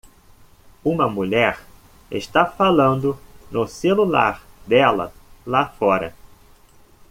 Uma mulher está falando no celular dela lá fora